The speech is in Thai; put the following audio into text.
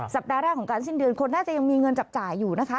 สัปดาห์แรกของการสิ้นเดือนคนน่าจะยังมีเงินจับจ่ายอยู่นะคะ